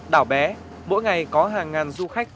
đảo bé mỗi ngày có hàng ngàn du khách